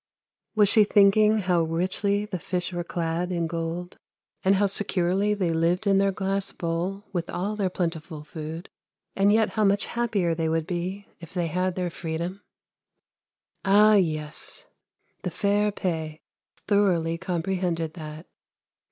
Was she thinking how richly the fish were clad in gold, and how securely they lived in their glass bowl with all their plentiful food, and yet how much happier they would be if they had their freedom? Ah, yes, the fair Pe thoroughly comprehended that.